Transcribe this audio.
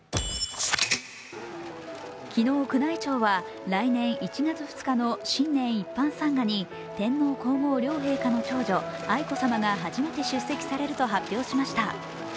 昨日、宮内庁は来年１月２日の新年一般参賀に天皇皇后両陛下の長女・愛子さまが初めて出席されると発表しました。